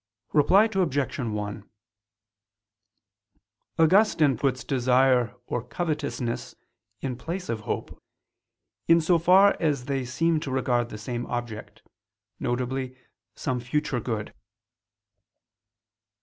Reply Obj. 1: Augustine puts desire or covetousness in place of hope, in so far as they seem to regard the same object, viz. some future good.